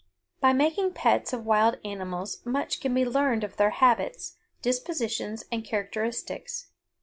By making pets of wild animals much can be learned of their habits, dispositions, and characteristics.